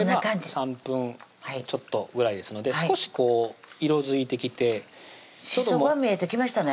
３分ちょっとぐらいですので少し色づいてきてしそが見えてきましたね